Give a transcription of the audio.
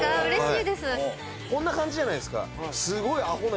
こんな感じじゃないですか。